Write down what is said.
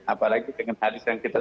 apalagi dengan hadis yang kita baca ya